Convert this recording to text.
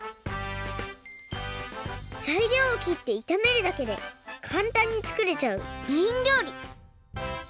ざいりょうをきっていためるだけでかんたんにつくれちゃうメインりょうり！